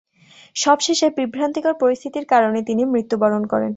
সবশেষে বিভ্রান্তিকর পরিস্থিতির কারণে তিনি মৃত্যুবরণ করেন।